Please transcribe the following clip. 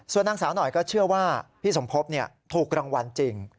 ส่วนนางสาวหน่อยก็เชื่อว่าพี่สมภพถูกรางวัลจริง